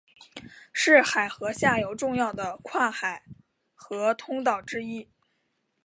是海河下游重要的跨海河通道之一。